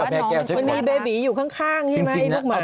มันมีเบบีอยู่ข้างใช่ไหมลูกหมา